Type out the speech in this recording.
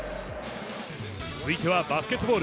続いてはバスケットボール。